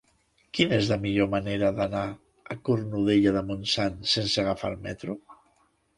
Quina és la millor manera d'anar a Cornudella de Montsant sense agafar el metro?